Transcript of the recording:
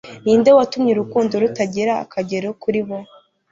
Ninde watumye urukundo rutagira akagero kuri bo